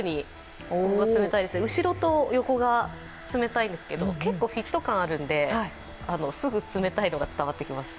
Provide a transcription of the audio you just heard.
後ろと横が冷たいんですけど、結構、フィット感があるのですぐ冷たいのが伝わってきます。